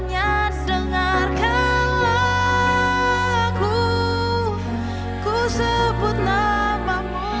gak ada apa apa